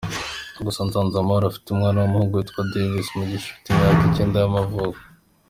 Gusa Nsanzamahoro afite umwana w’umuhungu witwa Davis Mugisha ufite imyaka icyenda y’amavuko.